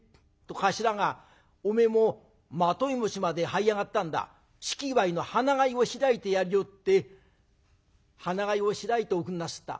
頭が『おめえも纏持ちまではい上がったんだ引き祝の花会を開いてやるよ』って花会を開いておくんなすった。